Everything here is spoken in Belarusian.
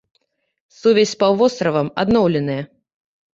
Сувязь з паўвостравам адноўленая.